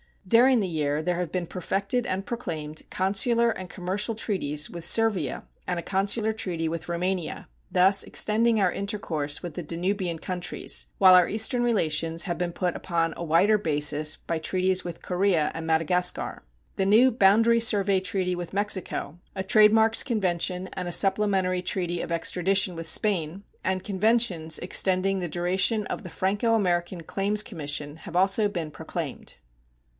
During the year there have been perfected and proclaimed consular and commercial treaties with Servia and a consular treaty with Roumania, thus extending our intercourse with the Danubian countries, while our Eastern relations have been put upon a wider basis by treaties with Korea and Madagascar. The new boundary survey treaty with Mexico, a trade marks convention and a supplementary treaty of extradition with Spain, and conventions extending the duration of the Franco American Claims Commission have also been proclaimed.